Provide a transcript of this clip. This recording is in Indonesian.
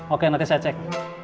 oke nanti saya cek